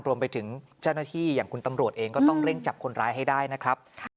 รวมไปถึงเจ้าหน้าที่อย่างคุณตำรวจเองก็ต้องเร่งจับคนร้ายให้ได้นะครับ